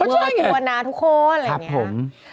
เขาใช่ไงเวอร์ทัวร์นาทุกคนอะไรอย่างนี้